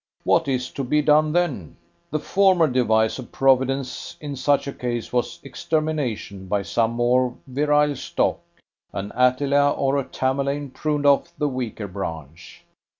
What is to be done, then? The former device of Providence in such a case was extermination by some more virile stock an Attila or a Tamerlane pruned off the weaker branch.